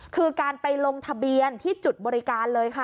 คือการไปลงทะเบียนที่จุดบริการเลยค่ะ